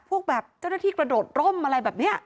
พวกแบบเจ้าหน้าที่กระโดดร่มอะไรแบบนี้